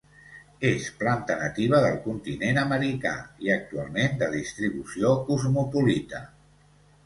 Es planta nativa del continent americà i actualment de distribució cosmopolita.